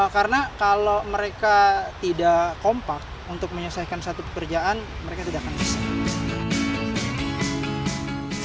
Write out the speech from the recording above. karena kalau mereka tidak kompak untuk menyelesaikan satu pekerjaan mereka tidak akan bisa